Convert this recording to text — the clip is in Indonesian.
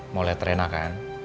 mau lihat rena kan